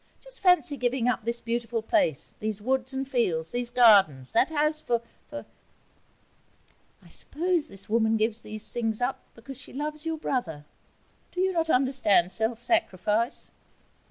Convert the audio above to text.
Just fancy giving up this beautiful place, these woods and fields, these gardens, that house for, for ' 'I suppose this woman gives up these things because she loves your brother. Do you not understand self sacrifice?'